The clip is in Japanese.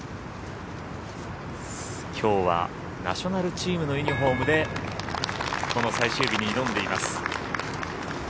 きょうはナショナルチームのユニホームでこの最終日に挑んでいます。